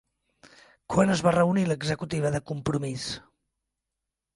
Quan es va reunir l'executiva de Compromís?